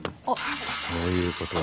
やっぱそういうことですか。